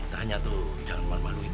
tanya tuh jangan membaluin